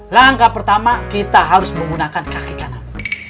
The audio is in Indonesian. langkah pertama kita harus menggunakan kaki kanan